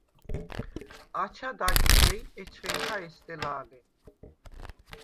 აჩად აგითე ი ეჩხენქა ესზელა̄ლე.